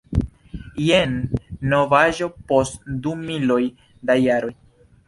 Jen novaĵo post du miloj da jaroj.